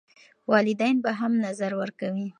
والدین به هم نظر ورکوي.